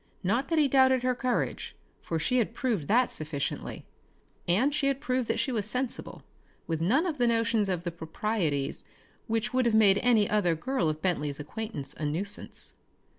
Not that he doubted her courage, for she had proved that sufficiently; and she had proved that she was sensible, with none of the notions of the proprieties which would have made any other girl of Bentley's acquaintance a nuisance.